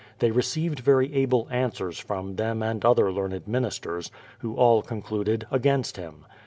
They received very able answers from them and other learned ministers, who all concluded against him.